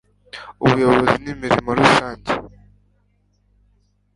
ubuyobozi n'imirimo rusange